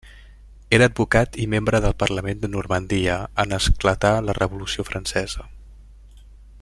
Era advocat i membre del parlament de Normandia en esclatar la Revolució Francesa.